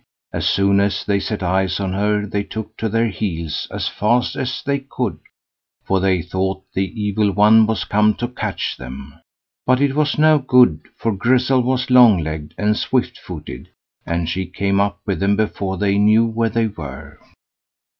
As soon as they set eyes on her, they took to their heels as fast as they could, for they thought the Evil One was come to catch them. But it was no good, for Grizzel was long legged and swift footed, and she came up with them before they knew where they were.